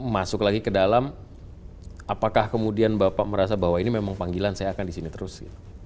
masuk lagi ke dalam apakah kemudian bapak merasa bahwa ini memang panggilan saya akan di sini terus